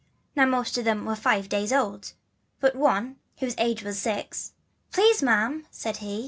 " Now most of them were five days old, But one, whose age was six "Please, ma'am," said he."